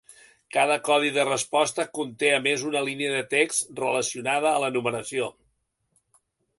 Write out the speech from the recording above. Cada codi de resposta conté a més una línia de text relacionada a la numeració.